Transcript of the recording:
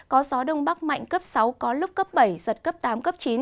có gió đông bắc mạnh cấp sáu có lúc cấp bảy giật cấp tám cấp chín